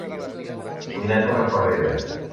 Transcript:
Vull anar a Torrefarrera